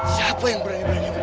siapa yang berani berani